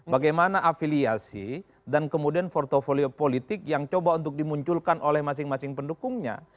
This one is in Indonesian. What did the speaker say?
bagaimana afiliasi dan kemudian portfolio politik yang coba untuk dimunculkan oleh masing masing pendukungnya